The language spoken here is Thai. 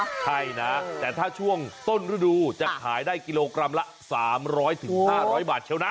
ใช่นะแต่ถ้าช่วงต้นฤดูจะขายได้กิโลกรัมละ๓๐๐๕๐๐บาทเชียวนะ